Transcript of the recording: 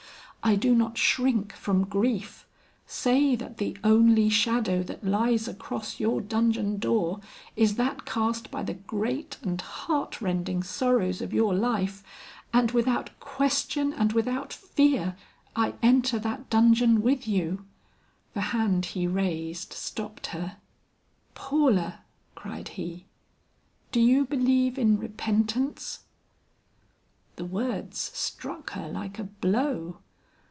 I do not shrink from grief; say that the only shadow that lies across your dungeon door is that cast by the great and heart rending sorrows of your life, and without question and without fear I enter that dungeon with you " The hand he raised stopped her. "Paula," cried he, "do you believe in repentance?" The words struck her like a blow.